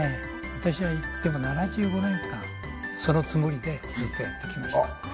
私は７５年間、そのつもりでずっとやってきました。